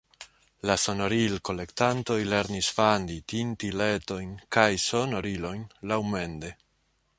La sonoril-kolektantoj lernis fandi tintiletojn kaj sonorilojn laŭmende.